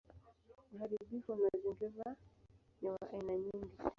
Uharibifu wa mazingira ni wa aina nyingi.